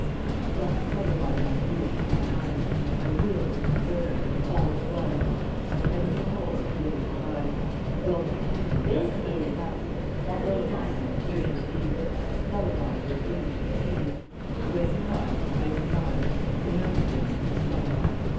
Thus lullaby my youth, mine eyes, My will, my ware, and all that was, I can no mo delays devise, But welcome pain, let pleasure pass: With lullaby now take your leave, With lullaby your dreams deceive, And when you rise with waking eye, Remember then this lullaby.